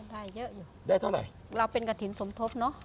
ได้เยอะอยู่เราเป็นกะถิ่นสมทพเนาะ